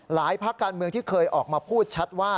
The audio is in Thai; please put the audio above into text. ภาคการเมืองที่เคยออกมาพูดชัดว่า